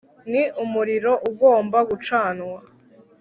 ni umuriro ugomba gucanwa.